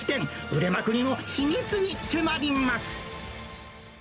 売れまくりの秘密に迫ります。